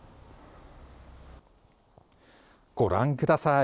ご覧ください。